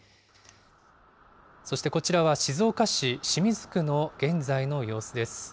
そしてこちらは、静岡市清水区の現在の様子です。